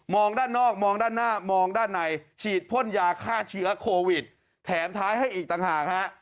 ด้านนอกมองด้านหน้ามองด้านในฉีดพ่นยาฆ่าเชื้อโควิดแถมท้ายให้อีกต่างหากฮะ